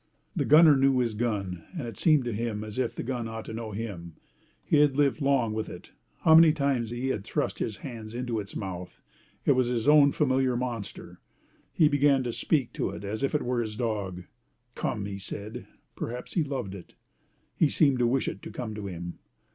The gunner knew his gun, and it seemed to him as if the gun ought to know him. He had lived long with it. How many times he had thrust his hands into its mouth! It was his own familiar monster. He began to speak to it as if it were his dog. "Come!" he said. Perhaps he loved it. He seemed to wish it to come to him.